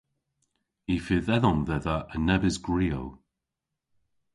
Y fydh edhom dhedha a nebes gwriow.